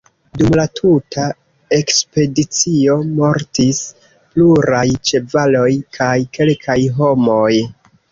Dum la tuta ekspedicio mortis pluraj ĉevaloj kaj kelkaj homoj.